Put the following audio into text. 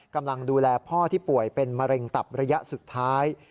กำลังดูแลพ่อที่ป่วยเป็นมะเร็งตับระยะสุดท้าย